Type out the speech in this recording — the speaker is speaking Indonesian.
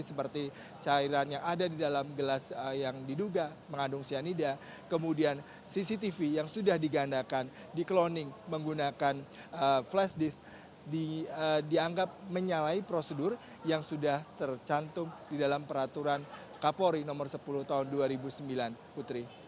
seperti cairan yang ada di dalam gelas yang diduga mengandung cyanida kemudian cctv yang sudah digandakan di kloning menggunakan flash disk dianggap menyalahi prosedur yang sudah tercantum di dalam peraturan kapolri nomor sepuluh tahun dua ribu sembilan putri